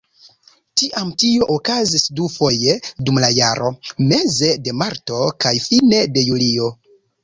Tiam tio okazis dufoje dum la jaro: meze de marto kaj fine de julio.